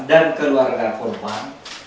dan keluarga korban